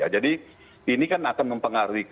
jadi ini kan akan mempengaruhi